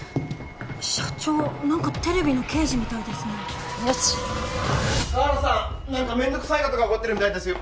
社長何かテレビの刑事みたいですねよし河原さん何かめんどくさいことが起こってるみたいですよ